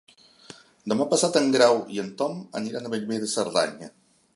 Demà passat en Grau i en Tom aniran a Bellver de Cerdanya.